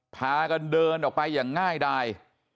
พากันเดินออกไปอย่างง่ายดาย